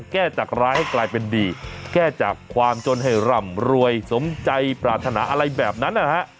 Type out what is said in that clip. จากร้ายให้กลายเป็นดีแก้จากความจนให้ร่ำรวยสมใจปรารถนาอะไรแบบนั้นนะฮะ